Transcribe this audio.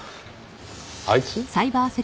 あいつ？